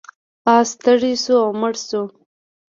اس تږی شو او مړ شو.